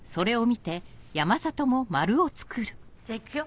じゃあいくよ。